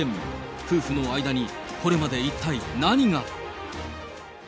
夫婦の間にこれまで一体何が？